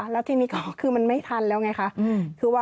แล้วทีนี้ก็คือมันไม่ทันแล้วไงคะ